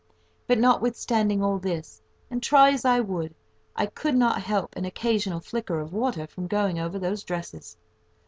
But, notwithstanding all this, and try as I would, I could not help an occasional flicker of water from going over those dresses.